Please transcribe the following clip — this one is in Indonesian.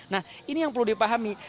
nah ini yang perlu dipahami